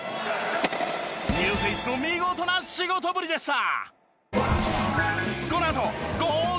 ニューフェースの見事な仕事ぶりでした。